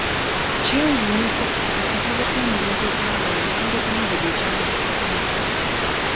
Kyewuunyisa mu katabo k'omugenzi okuba nga yawandiikamu buli kyamutuukako mu bulamu.